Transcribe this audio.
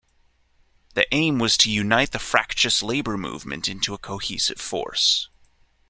The aim was to unite the fractious labour movement into a cohesive force.